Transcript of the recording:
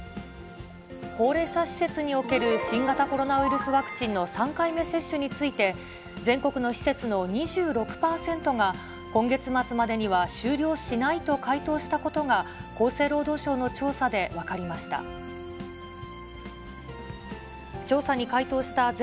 高齢者施設における新型コロナウイルスワクチンの３回目接種について、全国の施設の２６％が、今月末までには終了しないと回答したことが、厚生労働省の調査で分かりました。